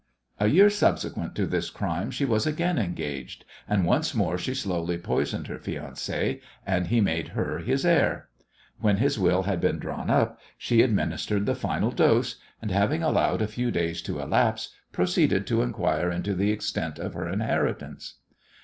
A year subsequent to this crime she was again engaged, and once more she slowly poisoned her fiancé and he made her his heir. When his will had been drawn up she administered the final dose, and, having allowed a few days to elapse, proceeded to inquire into the extent of her inheritance.